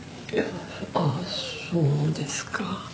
ああそうですか。